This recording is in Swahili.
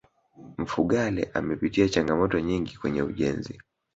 mfugale amepitia changamoto nyingi kwenye ujenzi